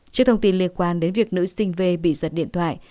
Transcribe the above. trước thông tin liên quan đến việc nữ sinh viên bị giật điện thoại